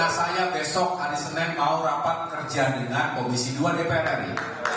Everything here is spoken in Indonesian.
saya besok hari senin mau rapat kerja dengan komisi dua dpr ri